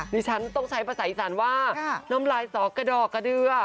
ดิฉันต้องใช้ภาษาอีสานว่าน้ำลายสอกระดอกกระเดือ